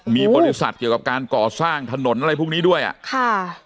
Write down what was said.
มีบริษัทเกี่ยวกับการก่อสร้างถนนอะไรพวกนี้ด้วยอ่ะค่ะ